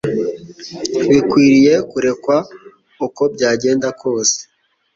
bikwiriye kurekwa uko byagenda kose,